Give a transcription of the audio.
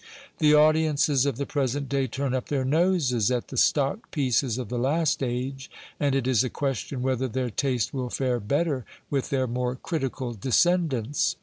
The audiences of the present day turn up their noses at the stock pieces of the last age, and it is a question whether their taste will fare better with their more critical descendants.